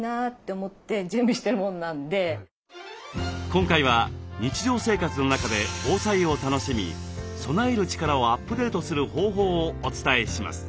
今回は日常生活の中で防災を楽しみ備える力をアップデートする方法をお伝えします。